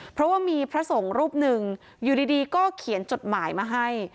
เพราะว่ามีพระสงฆ์รูปหนึ่งอยู่ดีก็เขียนจดหมายมาให้